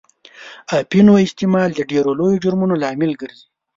اپینو استعمال د ډېرو لویو جرمونو لامل ګرځي.